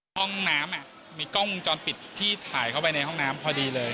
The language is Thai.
ห้องน้ำมีกล้องวงจรปิดที่ถ่ายเข้าไปในห้องน้ำพอดีเลย